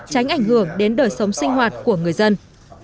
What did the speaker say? tránh ảnh hưởng đến đời sống sinh hoạt của người dân